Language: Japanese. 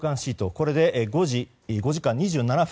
これで５時間２７分。